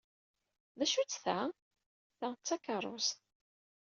D acu-tt ta? Ta d takeṛṛust?